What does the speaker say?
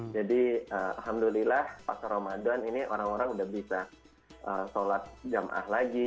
jadi alhamdulillah pas ramadan ini orang orang sudah bisa sholat jamaah lagi